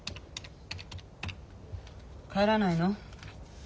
帰らないの？